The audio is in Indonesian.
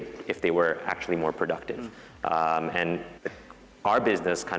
bisa melakukan pelbagai perusahaan